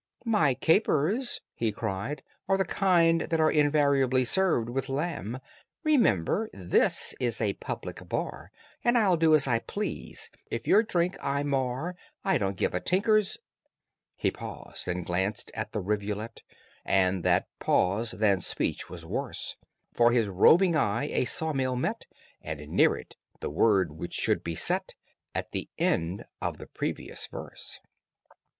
"My capers," he cried, "are the kind that are Invariably served with lamb. Remember, this is a public bar, And I'll do as I please. If your drink I mar, I don't give a tinker's ." He paused and glanced at the rivulet, And that pause than speech was worse, For his roving eye a saw mill met, And, near it, the word which should be set At the end of the previous verse.